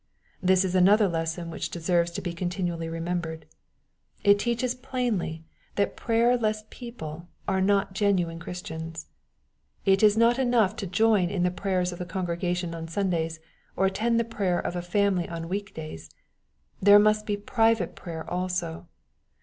This is another lesson which deserves to be continually remembered. It teaches plainly that prayerless people are not genuine Christians. It is not enough to join in the prayers of the congregation on Sundays, or attend the prayer of a family on week days. There must be private prayer also.